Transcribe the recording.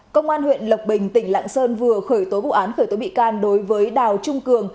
công an huyện lộc bình tỉnh lạng sơn vừa khởi tố vụ án khởi tố bị can đối với đào trung cường